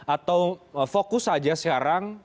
atau fokus saja sekarang